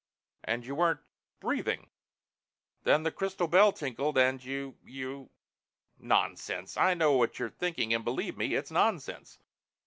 "And you weren't breathing. Then the crystal bell tinkled and you you...." "Nonsense! I know what you're thinking and believe me it's nonsense!"